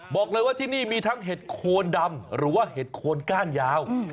บอกเลยว่าที่นี่มีทั้งเห็ดโคนดำหรือว่าเห็ดโคนก้านยาว